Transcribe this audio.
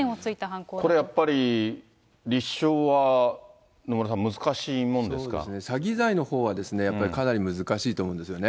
これ、やっぱり立証は野村さん、そうですね、詐欺罪のほうはやっぱりかなり難しいと思うんですよね。